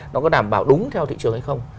nó có đảm bảo đúng theo thị trường hay không